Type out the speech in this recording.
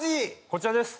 こちらです。